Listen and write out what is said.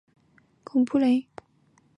孔布雷。